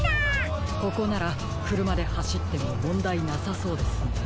ここならくるまではしってももんだいなさそうですね。